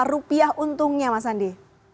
rupiah untungnya mas andi